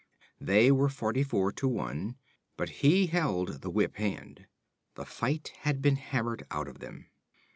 They were forty four to one, but he held the whip hand. The fight had been hammered out of them.